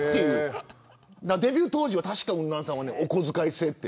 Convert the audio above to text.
デビュー当時は確かウンナンさんはお小遣い制だと。